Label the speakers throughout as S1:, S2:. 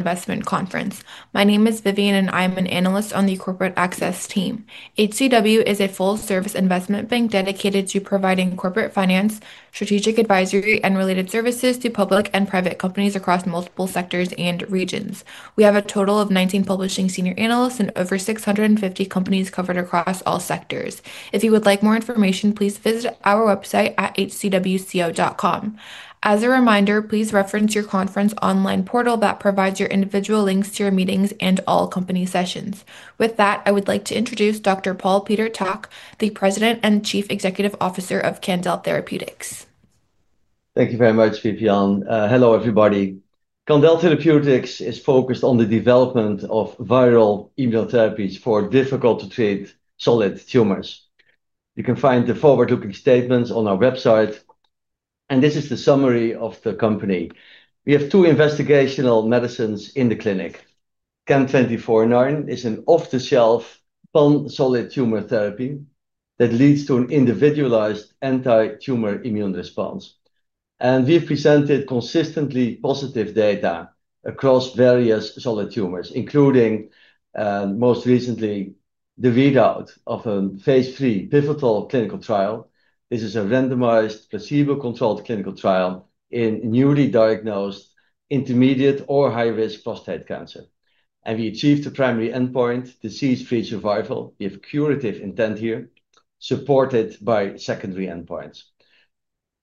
S1: Investment Conference. My name is Vivian, and I am an analyst on the Corporate Access team. HCW is a full-service investment bank dedicated to providing corporate finance, strategic advisory, and related services to public and private companies across multiple sectors and regions. We have a total of 19 publishing senior analysts in over 650 companies covered across all sectors. If you would like more information, please visit our website at hcwco.com. As a reminder, please reference your conference online portal that provides your individual links to your meetings and all company sessions. With that, I would like to introduce Dr. Paul Peter Tak, the President and Chief Executive Officer of Candel Therapeutics.
S2: Thank you very much, Vivian. Hello, everybody. Candel Therapeutics is focused on the development of viral immunotherapies for difficult-to-treat solid tumors. You can find the forward-looking statements on our website. This is the summary of the company. We have two investigational medicines in the clinic. CAN-2409 is an off-the-shelf, pan-solid tumor therapy that leads to an individualized anti-tumor immune response. We have presented consistently positive data across various solid tumors, including, most recently, the readout of a Phase 3 pivotal clinical trial. This is a randomized, placebo-controlled clinical trial in newly diagnosed intermediate or high-risk prostate cancer. We achieved the primary endpoint, disease-free survival. We have curative intent here, supported by secondary endpoints.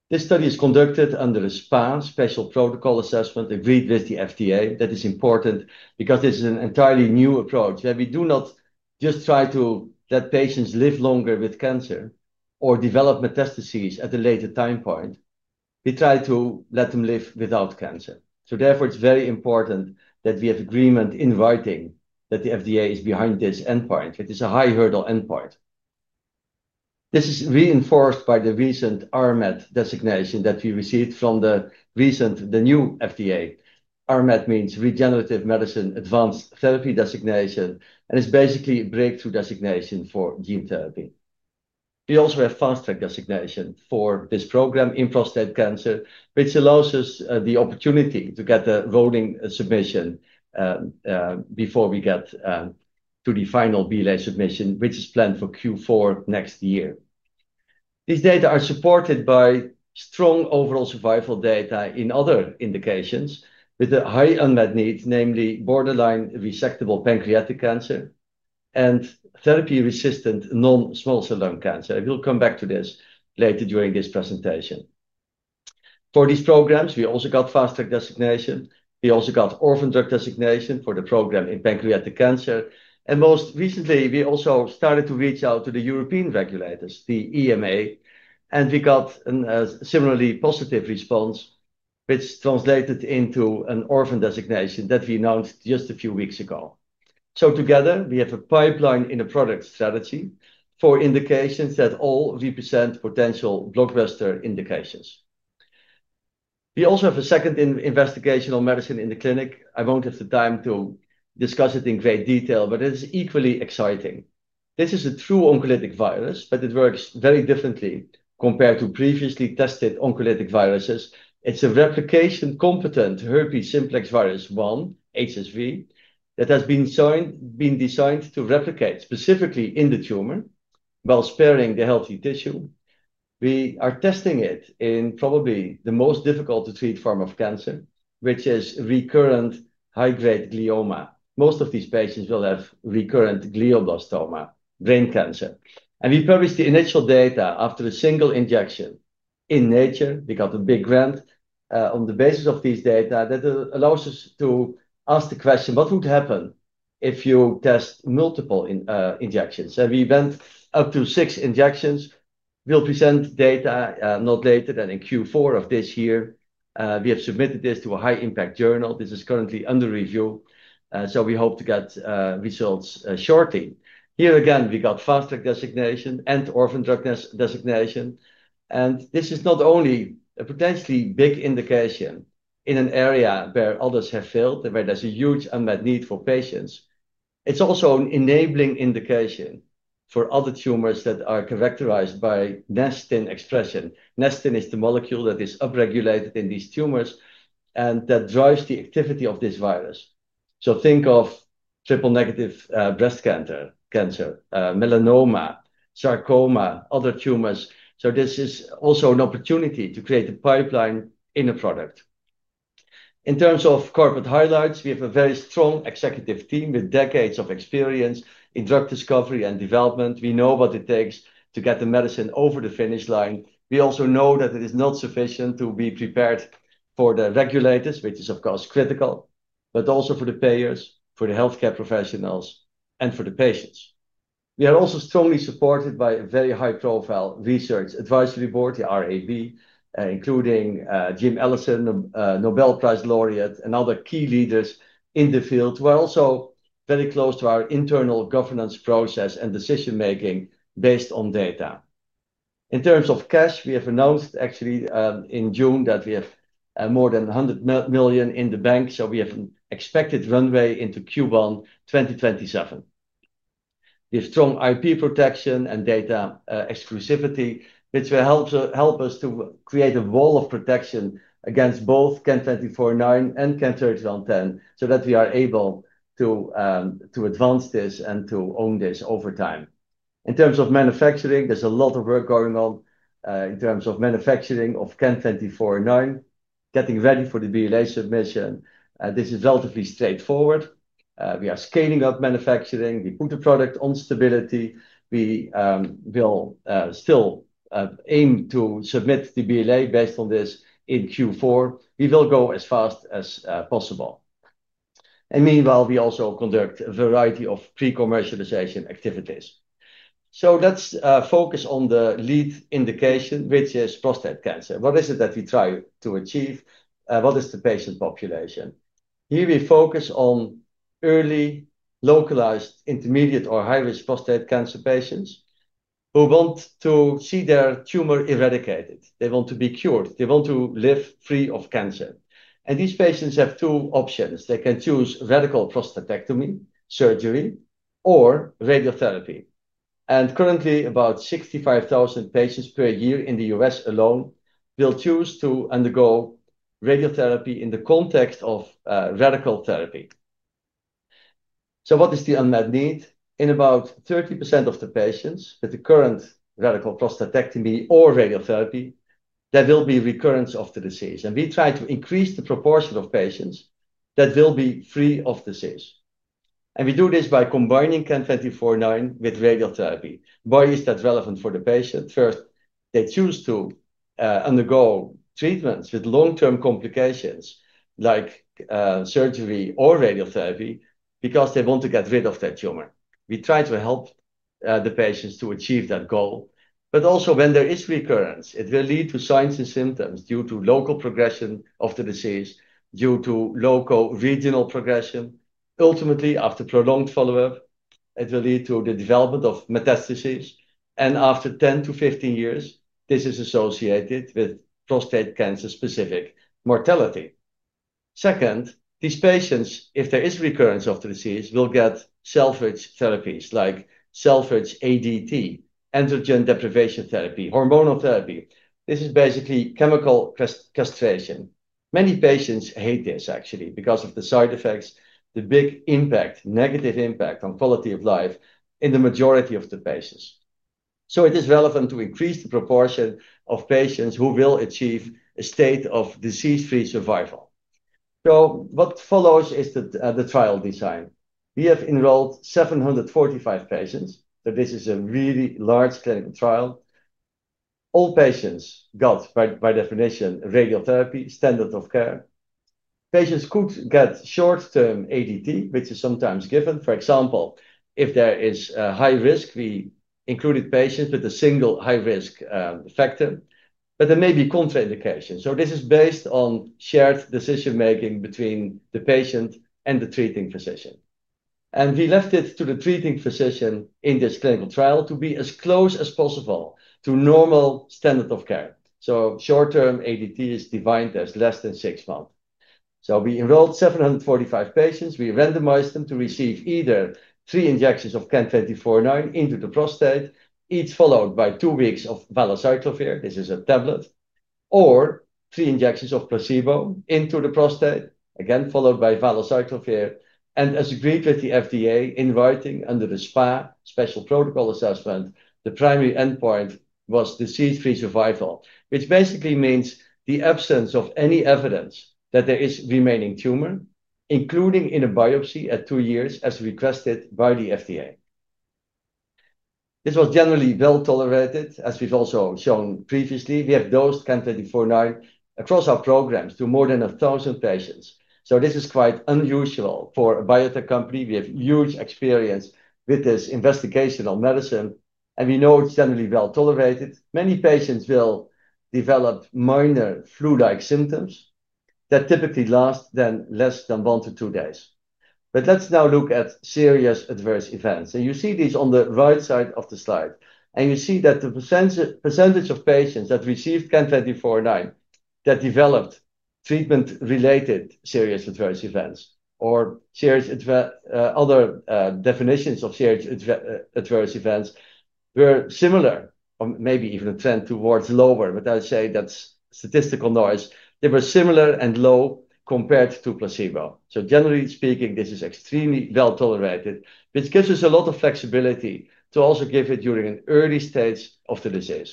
S2: This study is conducted under a SPA Special Protocol Assessment agreed with the FDA. That is important because this is an entirely new approach where we do not just try to let patients live longer with cancer or develop metastases at a later time point. We try to let them live without cancer. Therefore, it is very important that we have agreement in writing that the FDA is behind this endpoint. It is a high-hurdle endpoint. This is reinforced by the recent RMAT designation that we received from the FDA. RMAT means Regenerative Medicine Advanced Therapy designation. It is basically a breakthrough designation for gene therapy. We also have Fast Track designation for this program in prostate cancer, which allows us the opportunity to get a rolling submission before we get to the final BLA submission, which is planned for Q4 next year. These data are supported by strong overall survival data in other indications with a high unmet need, namely borderline resectable pancreatic cancer and therapy-resistant non-small cell lung cancer. We will come back to this later during this presentation. For these programs, we also got Fast Track designation. We also got Orphan Drug designation for the program in pancreatic cancer. Most recently, we also started to reach out to the European regulators, the EMA. We got a similarly positive response, which translated into an orphan designation that we announced just a few weeks ago. Together, we have a pipeline in a product strategy for indications that all represent potential blockbuster indications. We also have a second investigational medicine in the clinic. I won't have the time to discuss it in great detail, but it is equally exciting. This is a true oncolytic virus, but it works very differently compared to previously tested oncolytic viruses. It's a replication-competent herpes simplex virus 1 (HSV-1) that has been designed to replicate specifically in the tumor while sparing the healthy tissue. We are testing it in probably the most difficult-to-treat form of cancer, which is recurrent high-grade glioma. Most of these patients will have recurrent glioblastoma, brain cancer. We published the initial data after a single injection in Nature. We got a big grant on the basis of these data that allows us to ask the question, what would happen if you test multiple injections? We went up to six injections. We'll present data not later than in Q4 of this year. We have submitted this to a high-impact journal. This is currently under review. We hope to get results shortly. Here again, we got Fast Track designation and Orphan Drug designation. This is not only a potentially big indication in an area where others have failed, where there's a huge unmet need for patients. It's also an enabling indication for other tumors that are characterized by NESTIN expression. NESTIN is the molecule that is upregulated in these tumors and that drives the activity of this virus. Think of triple-negative breast cancer, melanoma, sarcoma, other tumors. This is also an opportunity to create a pipeline in a product. In terms of corporate highlights, we have a very strong executive team with decades of experience in drug discovery and development. We know what it takes to get the medicine over the finish line. We also know that it is not sufficient to be prepared for the regulators, which is, of course, critical, but also for the payers, for the health care professionals, and for the patients. We are also strongly supported by a very high-profile Research Advisory Board, the RAB, including Jim Allison, a Nobel Prize laureate, and other key leaders in the field who are also very close to our internal governance process and decision-making based on data. In terms of cash, we have announced actually in June that we have more than $100 million in the bank. We have an expected runway into Q1 2027. We have strong IP protection and data exclusivity, which will help us to create a wall of protection against both CAN-2409 and CAN-3110 so that we are able to advance this and to own this over time. In terms of manufacturing, there's a lot of work going on in terms of manufacturing of CAN-2409, getting ready for the BLA submission. This is relatively straightforward. We are scaling up manufacturing. We put the product on stability. We will still aim to submit the BLA based on this in Q4. We will go as fast as possible. Meanwhile, we also conduct a variety of pre-commercialization activities. Let's focus on the lead indication, which is prostate cancer. What is it that we try to achieve? What is the patient population? Here we focus on early localized intermediate or high-risk prostate cancer patients who want to see their tumor eradicated. They want to be cured. They want to live free of cancer. These patients have two options. They can choose radical prostatectomy surgery or radiotherapy. Currently, about 65,000 patients per year in the U.S. alone will choose to undergo radiotherapy in the context of radical therapy. What is the unmet need? In about 30% of the patients with the current radical prostatectomy or radiotherapy, there will be recurrence of the disease. We try to increase the proportion of patients that will be free of disease. We do this by combining CAN-2409 with radiotherapy. Why is that relevant for the patient? First, they choose to undergo treatments with long-term complications like surgery or radiotherapy because they want to get rid of their tumor. We try to help the patients to achieve that goal. Also, when there is recurrence, it will lead to signs and symptoms due to local progression of the disease, due to local regional progression. Ultimately, after prolonged follow-up, it will lead to the development of metastases. After 10- 15 years, this is associated with prostate cancer-specific mortality. Second, these patients, if there is recurrence of the disease, will get salvage therapies like salvage ADT, androgen deprivation therapy, hormonal therapy. This is basically chemical castration. Many patients hate this, actually, because of the side effects, the big impact, negative impact on quality of life in the majority of the patients. It is relevant to increase the proportion of patients who will achieve a state of disease-free survival. What follows is the trial design. We have enrolled 745 patients. This is a really large clinical trial. All patients got, by definition, radiotherapy, standard of care. Patients could get short-term ADT, which is sometimes given. For example, if there is a high risk, we included patients with a single high-risk factor. There may be contraindications. This is based on shared decision-making between the patient and the treating physician. We left it to the treating physician in this clinical trial to be as close as possible to normal standard of care. Short-term ADT is defined as less than six months. We enrolled 745 patients. We randomized them to receive either three injections of CAN-2409 into the prostate, each followed by two weeks of valacyclovir. This is a tablet. Or three injections of placebo into the prostate, again followed by valacyclovir. As agreed with the FDA, in writing under the SPA Special Protocol Assessment, the primary endpoint was disease-free survival, which basically means the absence of any evidence that there is remaining tumor, including in a biopsy at two years, as requested by the FDA. This was generally well tolerated, as we've also shown previously. We have dosed CAN-2409 across our programs to more than 1,000 patients. This is quite unusual for a biotech company. We have huge experience with this investigational medicine. We know it's generally well tolerated. Many patients will develop minor flu-like symptoms that typically last less than one to two days. Let's now look at serious adverse events. You see these on the right side of the slide. You see that the % of patients that received CAN-2409 that developed treatment-related serious adverse events or serious other definitions of serious adverse events were similar, or maybe even a trend towards lower. I would say that's statistical noise. They were similar and low compared to placebo. Generally speaking, this is extremely well tolerated, which gives us a lot of flexibility to also give it during an early stage of the disease.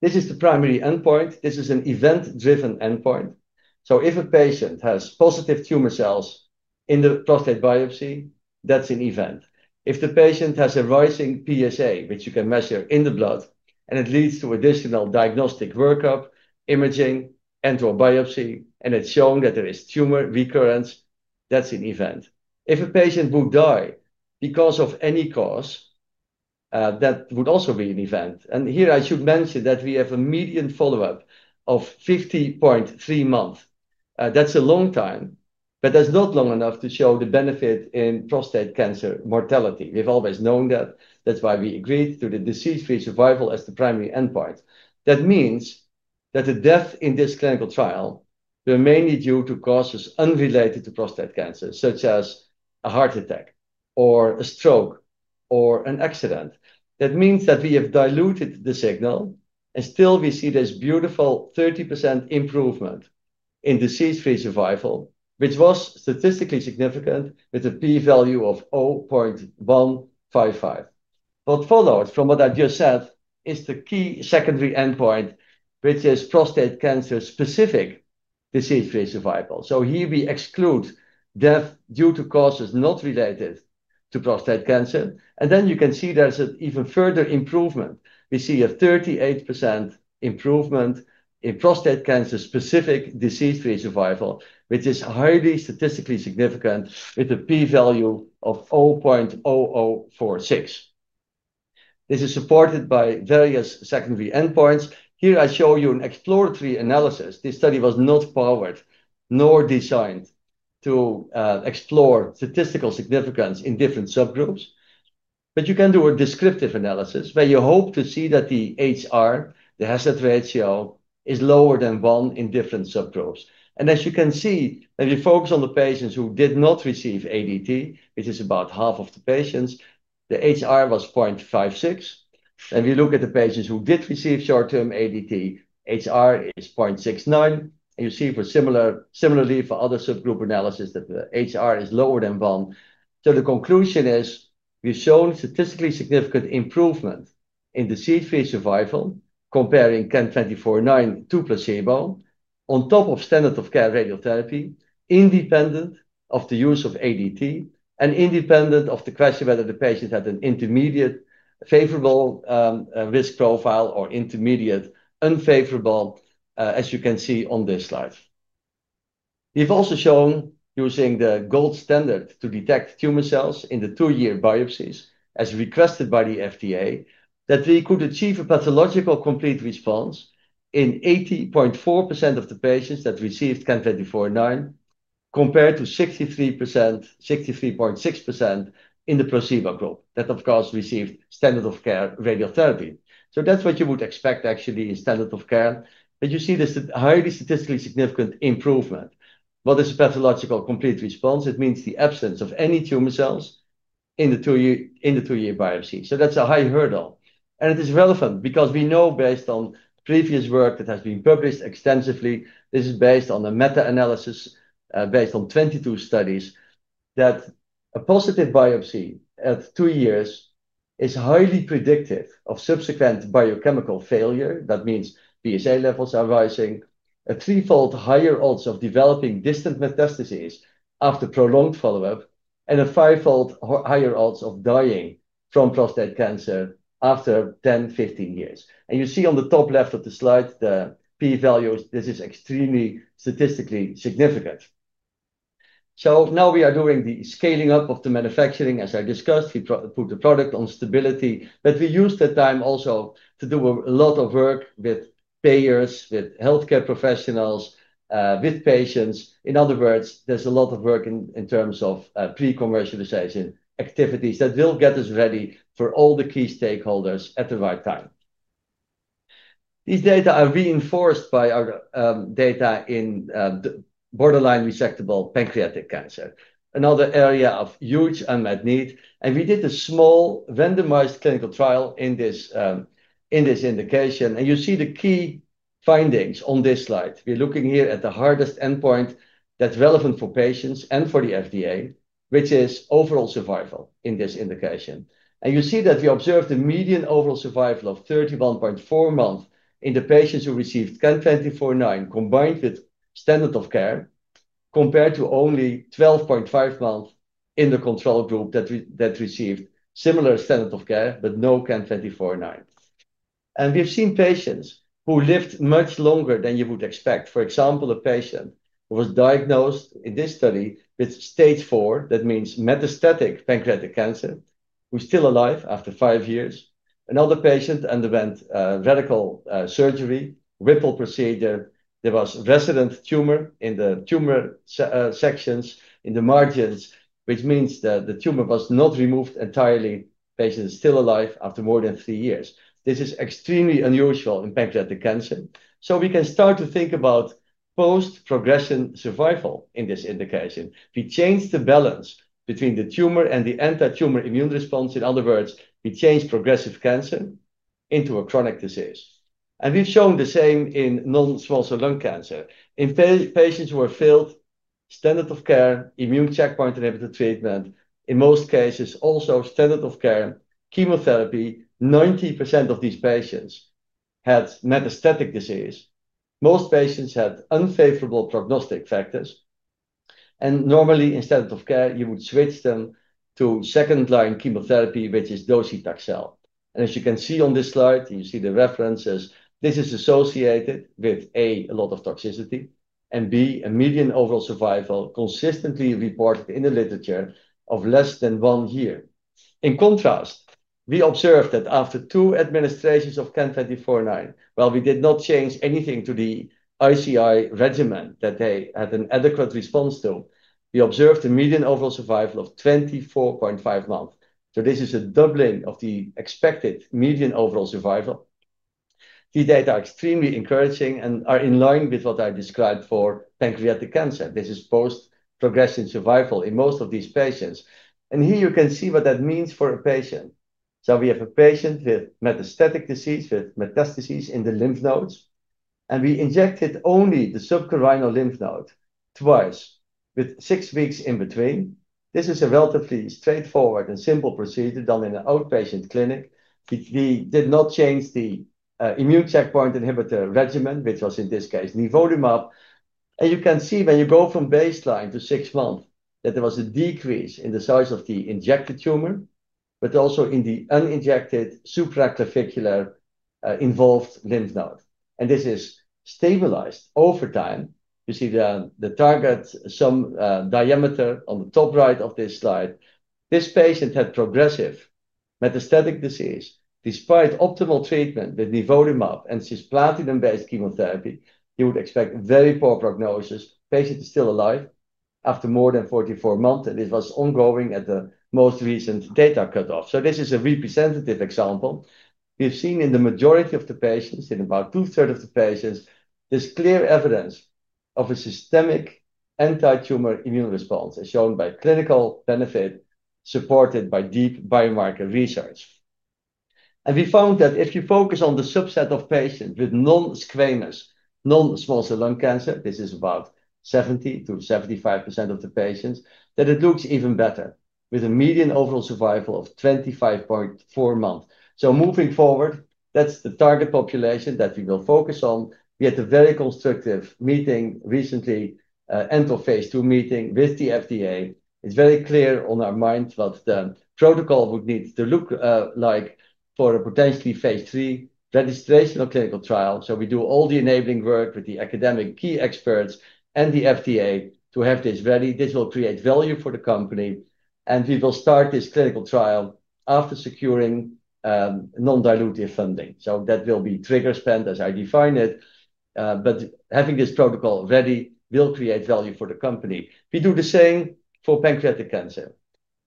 S2: This is the primary endpoint. This is an event-driven endpoint. If a patient has positive tumor cells in the prostate biopsy, that's an event. If the patient has a rising PSA, which you can measure in the blood, and it leads to additional diagnostic workup, imaging, and/or biopsy, and it's shown that there is tumor recurrence, that's an event. If a patient would die because of any cause, that would also be an event. Here I should mention that we have a median follow-up of 50.3 months. That's a long time, but that's not long enough to show the benefit in prostate cancer mortality. We've always known that. That's why we agreed to the disease-free survival as the primary endpoint. That means that the death in this clinical trial remained due to causes unrelated to prostate cancer, such as a heart attack or a stroke or an accident. That means that we have diluted the signal, and still, we see this beautiful 30% improvement in disease-free survival, which was statistically significant with a p-value of 0.155. What follows from what I just said is the key secondary endpoint, which is prostate cancer-specific disease-free survival. Here we exclude death due to causes not related to prostate cancer, and then you can see there's an even further improvement. We see a 38% improvement in prostate cancer-specific disease-free survival, which is highly statistically significant with a p-value of 0.0046. This is supported by various secondary endpoints. Here I show you an exploratory analysis. This study was not powered nor designed to explore statistical significance in different subgroups, but you can do a descriptive analysis where you hope to see that the HR, the hazard ratio, is lower than 1 in different subgroups. As you can see, when we focus on the patients who did not receive ADT, which is about half of the patients, the HR was 0.56. When we look at the patients who did receive short-term ADT, HR is 0.69, and you see similarly for other subgroup analysis that the HR is lower than 1. The conclusion is we've shown statistically significant improvement in disease-free survival comparing CAN-2409 to placebo on top of standard of care radiotherapy, independent of the use of ADT, and independent of the question whether the patient had an intermediate favorable risk profile or intermediate unfavorable, as you can see on this slide. We've also shown using the gold standard to detect tumor cells in the two-year biopsies, as requested by the FDA, that we could achieve a pathological complete response in 80.4% of the patients that received CAN-2409 compared to 63.6% in the placebo group that, of course, received standard of care radiotherapy. That's what you would expect, actually, in standard of care, but you see this highly statistically significant improvement. What is a pathological complete response? It means the absence of any tumor cells in the two-year biopsy. That's a high hurdle, and it is relevant because we know based on previous work that has been published extensively. This is based on a meta-analysis based on 22 studies that a positive biopsy at two years is highly predictive of subsequent biochemical failure. That means PSA levels are rising, a threefold higher odds of developing distant metastases after prolonged follow-up, and a fivefold higher odds of dying from prostate cancer after 10, 15 years. You see on the top left of the slide the p-values. This is extremely statistically significant. We are doing the scaling up of the manufacturing, as I discussed. We put the product on stability. We used that time also to do a lot of work with payers, with health care professionals, with patients. In other words, there's a lot of work in terms of pre-commercialization activities that will get us ready for all the key stakeholders at the right time. These data are reinforced by our data in borderline resectable pancreatic cancer, another area of huge unmet need. We did a small randomized clinical trial in this indication. You see the key findings on this slide. We're looking here at the hardest endpoint that's relevant for patients and for the FDA, which is overall survival in this indication. You see that we observed a median overall survival of 31.4 months in the patients who received CAN-2409 combined with standard of care compared to only 12.5 months in the control group that received similar standard of care but no CAN-2409. We've seen patients who lived much longer than you would expect. For example, a patient who was diagnosed in this study with stage IV, that means metastatic pancreatic cancer, who's still alive after five years. Another patient underwent radical surgery, Whipple procedure. There was resident tumor in the tumor sections in the margins, which means that the tumor was not removed entirely. The patient is still alive after more than three years. This is extremely unusual in pancreatic cancer. We can start to think about post-progression survival in this indication. We changed the balance between the tumor and the anti-tumor immune response. In other words, we changed progressive cancer into a chronic disease. We've shown the same in non-small cell lung cancer. In patients who failed standard of care, immune checkpoint inhibitor treatment, in most cases, also standard of care chemotherapy, 90% of these patients had metastatic disease. Most patients had unfavorable prognostic factors. Normally, in standard of care, you would switch them to second-line chemotherapy, which is docetaxel. As you can see on this slide, you see the references. This is associated with, A, a lot of toxicity, and B, a median overall survival consistently reported in the literature of less than one year. In contrast, we observed that after two administrations of CAN-2409, while we did not change anything to the ICI regimen that they had an adequate response to, we observed a median overall survival of 24.5 months. This is a doubling of the expected median overall survival. The data are extremely encouraging and are in line with what I described for pancreatic cancer. This is post-progression survival in most of these patients. Here you can see what that means for a patient. We have a patient with metastatic disease with metastases in the lymph nodes. We injected only the subcarinal lymph node twice with six weeks in between. This is a relatively straightforward and simple procedure done in an outpatient clinic. We did not change the immune checkpoint inhibitor regimen, which was in this case nivolumab. You can see when you go from baseline to six months that there was a decrease in the size of the injected tumor, but also in the uninjected supraclavicular involved lymph node. This is stabilized over time. You see the target diameter on the top right of this slide. This patient had progressive metastatic disease. Despite optimal treatment with nivolumab and cisplatin-based chemotherapy, you would expect a very poor prognosis. The patient is still alive after more than 44 months. This was ongoing at the most recent data cutoff. This is a representative example. We've seen in the majority of the patients, in about 2/3 of the patients, there's clear evidence of a systemic anti-tumor immune response, as shown by clinical benefit supported by deep biomarker research. We found that if you focus on the subset of patients with non-screeners, non-small cell lung cancer, this is about 70%- 75% of the patients, that it looks even better with a median overall survival of 25.4 months. Moving forward, that's the target population that we will focus on. We had a very constructive meeting recently, end of Phase 2 meeting with the FDA. It's very clear on our minds what the protocol would need to look like for a potentially Phase 3 registration of clinical trial. We do all the enabling work with the academic key experts and the FDA to have this ready. This will create value for the company. We will start this clinical trial after securing non-dilutive funding. That will be trigger spend, as I define it. Having this protocol ready will create value for the company. We do the same for pancreatic cancer.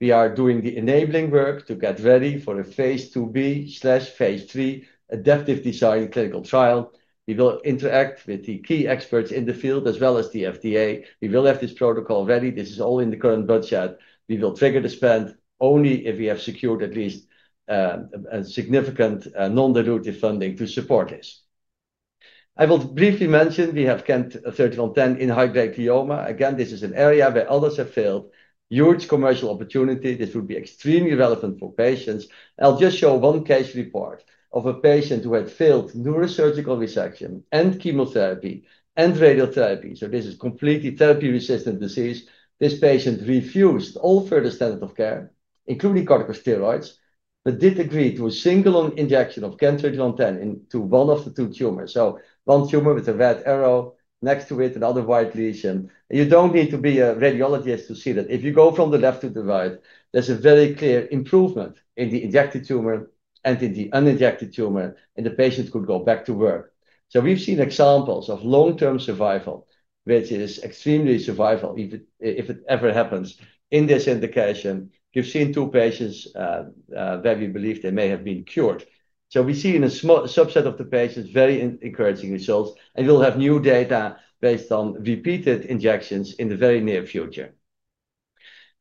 S2: We are doing the enabling work to get ready for a Phase 2B/Phase 3 adaptive design clinical trial. We will interact with the key experts in the field, as well as the FDA. We will have this protocol ready. This is all in the current budget. We will trigger the spend only if we have secured at least a significant non-dilutive funding to support this. I will briefly mention we have CAN-3110 in high-grade glioma. This is an area where others have failed. Huge commercial opportunity. This would be extremely relevant for patients. I'll just show one case report of a patient who had failed neurosurgical resection and chemotherapy and radiotherapy. This is completely therapy-resistant disease. This patient refused all further standard of care, including corticosteroids, but did agree to a single injection of CAN-3110 into one of the two tumors. One tumor with a red arrow next to it, another white lesion. You don't need to be a radiologist to see that if you go from the left to the right, there's a very clear improvement in the injected tumor and in the uninjected tumor. The patient could go back to work. We've seen examples of long-term survival, which is extremely survival, if it ever happens, in this indication. We've seen two patients where we believe they may have been cured. We see in a small subset of the patients very encouraging results. We'll have new data based on repeated injections in the very near future.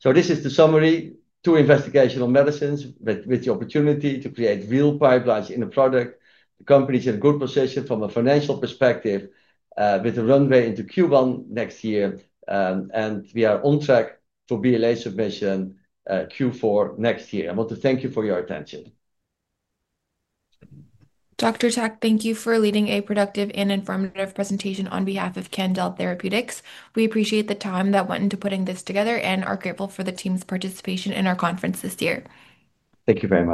S2: This is the summary. Two investigational medicines with the opportunity to create real pipelines in a product. The company is in a good position from a financial perspective with a runway into Q1 next year. We are on track for BLA submission Q4 next year. I want to thank you for your attention.
S1: Dr. Tak, thank you for leading a productive and informative presentation on behalf of Candel Therapeutics. We appreciate the time that went into putting this together and are grateful for the team's participation in our conference this year.
S2: Thank you very much.